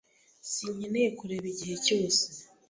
Sinkeneye kureba igihe cyose